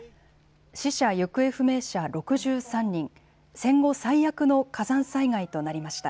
死者・行方不明者６３人、戦後最悪の火山災害となりました。